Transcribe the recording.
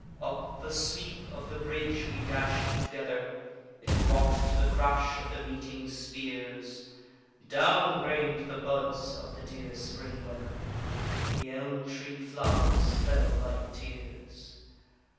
Up the sweep of the bridge we dash'd together, It rock'd to the crash of the meeting spears, Down rain'd the buds of the dear spring weather, The elm tree flowers fell like tears.